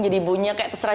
jadi bunyinya kayak terserah